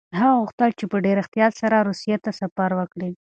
هغه غوښتل چې په ډېر احتیاط سره روسيې ته سفر وکړي.